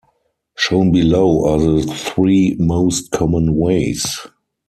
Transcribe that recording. Shown below are the three most common ways.